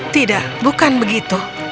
tidak bukan begitu